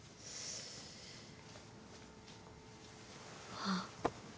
あっ。